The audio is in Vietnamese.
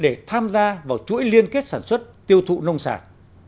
để tham gia vào chuỗi liên kết sản xuất tiêu thụ nông sản